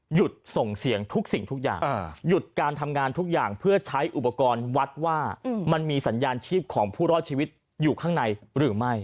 ส่งเสียงทุกสิ่งทุกอย่างหยุดการทำงานทุกอย่างเพื่อใช้อุปกรณ์วัดว่ามันมีสัญญาณชีพของผู้รอดชีวิตอยู่ข้างในหรือไม่